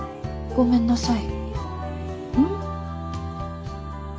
ごめんなさい！